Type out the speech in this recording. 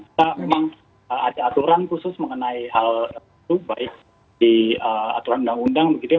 kita memang ada aturan khusus mengenai hal itu baik di aturan undang undang begitu ya